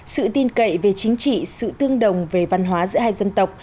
sự tin cậy về chính trị sự tương đồng về văn hóa giữa hai dân tộc